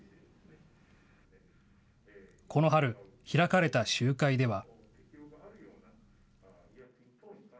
この春、開かれた集会では。